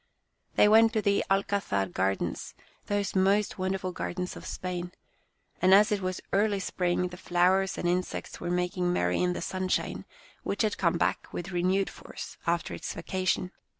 They went to the Alcazar gardens, those most wonderful gardens of Spain, and as it was early spring the flowers and insects were making merry in the sunshine, which had come back with renewed force, after its vacation.